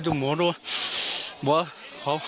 เพื่อนบ้านเจ้าหน้าที่อำรวจกู้ภัย